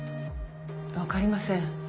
分かりません。